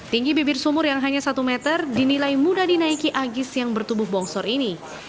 tinggi bibir sumur yang hanya satu meter dinilai mudah dinaiki agis yang bertubuh bongsor ini